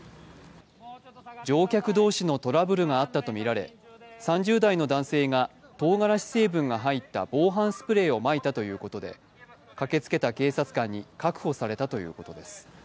乗客同士のトラブルがあったとみられ３０代の男性がとうがらし成分が入った防犯スプレーをまいたということで駆けつけた警察官に確保されたということです